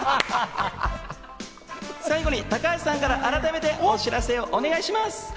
最後に高橋さんからあらためて、お知らせをお願いします。